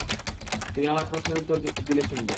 তুমি আমার প্রশ্নের উত্তর দিলে শুনব।